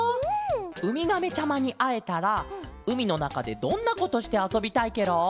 ウミガメちゃまにあえたらうみのなかでどんなことしてあそびたいケロ？